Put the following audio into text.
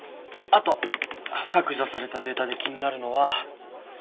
あと削除されたデータで気になるのは。